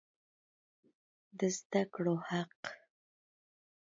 د زده کړو حق